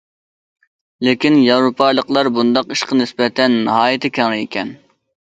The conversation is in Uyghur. لېكىن ياۋروپالىقلار بۇنداق ئىشقا نىسبەتەن ناھايىتى كەڭرى ئىكەن.